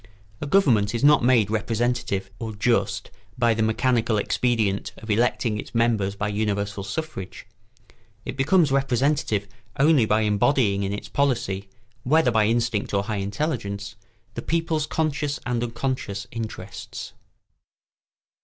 A government is not made representative or just by the mechanical expedient of electing its members by universal suffrage. It becomes representative only by embodying in its policy, whether by instinct or high intelligence, the people's conscious and unconscious interests.